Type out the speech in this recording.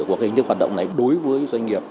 của hình thức hoạt động này đối với doanh nghiệp